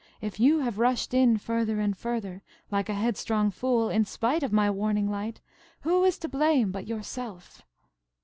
If you have rushed in further and further, like a headstrong fool, in spite of my warning light, who is to blame but yourself?"